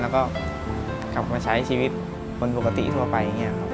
กลับมาใช้ชีวิตคนปกติทั่วไป